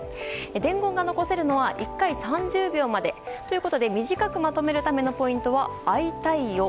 伝言が残せるのは１回３０秒まで。ということで短くまとめるためのポイントは「あいたいよ」。